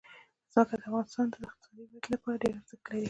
ځمکه د افغانستان د اقتصادي ودې لپاره ډېر ارزښت لري.